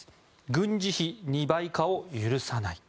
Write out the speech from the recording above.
軍事費２倍化を許さない。